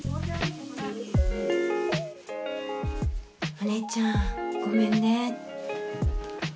お姉ちゃんごめんね。